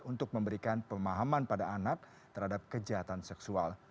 untuk memberikan pemahaman pada anak terhadap kejahatan seksual